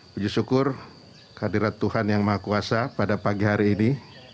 puji syukur kehadirat tuhan yang maha kuasa pada pagi hari ini